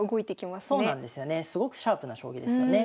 すごくシャープな将棋ですよね。